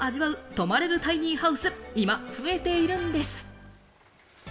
泊まれるタイニーハウス、いま増えているんです。